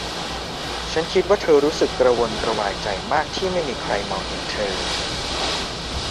ฉันคิดว่าเธอรู้สึกกระวนกระวายใจมากที่ไม่มีใครมองเห็นเธอ